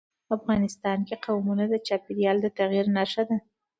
افغانستان کې قومونه د چاپېریال د تغیر نښه ده.